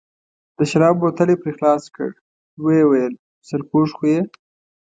د شرابو بوتل یې پرې خلاص کړ، ویې ویل: سرپوښ خو یې.